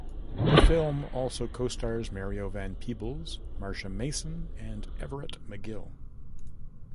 The film also co-stars Mario Van Peebles, Marsha Mason, and Everett McGill.